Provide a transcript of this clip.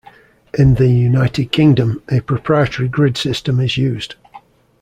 In the United Kingdom, a proprietary grid system is used.